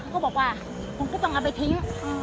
เขาบอกว่าผมก็ต้องเอาไปทิ้ง